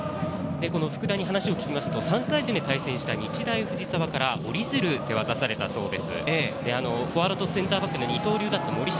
福田に話を聞くと３回戦で対戦した日大藤沢から折り鶴を渡されたそうです。